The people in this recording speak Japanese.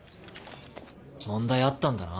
問題あったんだな。